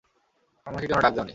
আমাকে কেন ডাক দেওনি?